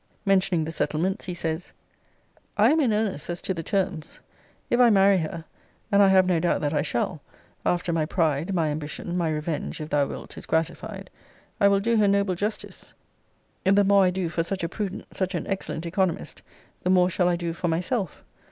[Mentioning the settlements, he says,] I am in earnest as to the terms. If I marry her, [and I have no doubt that I shall, after my pride, my ambition, my revenge, if thou wilt, is gratified,] I will do her noble justice. The more I do for such a prudent, such an excellent economist, the more shall I do for myself.